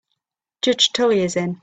Judge Tully is in.